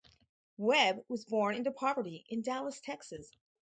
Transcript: Webb was born into poverty in Dallas, Texas.